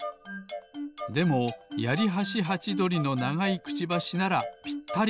でもヤリハシハチドリのながいくちばしならぴったり！